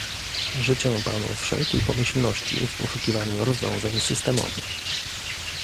Życzę Panu wszelkiej pomyślności w poszukiwaniu rozwiązań systemowych